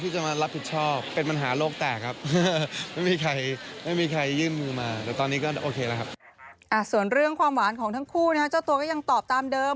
ส่วนเรื่องความหวานของทั้งคู่เจ้าตัวก็ยังตอบตามเดิม